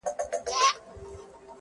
که سپی غاپي خو زه هم سم هرېدلای!.